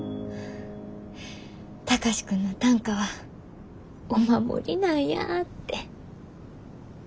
貴司君の短歌はお守りなんやって。